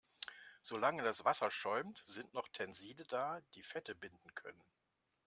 Solange das Wasser schäumt, sind noch Tenside da, die Fette binden können.